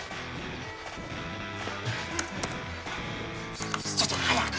ちょちょっと早く！